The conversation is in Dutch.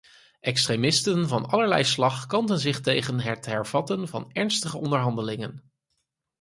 Extremisten van allerlei slag kanten zich tegen het hervatten van ernstige onderhandelingen.